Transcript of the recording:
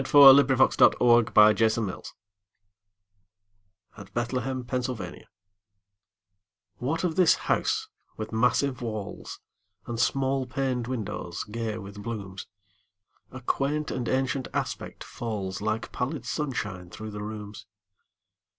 Sarah Orne Jewett The Widow's House (At Bethlehem, Pennsylvania) WHAT of this house with massive walls And small paned windows, gay with blooms? A quaint and ancient aspect falls Like pallid sunshine through the rooms.